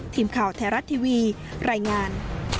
ทีมข่าวไทยรัฐทีวีรายงาน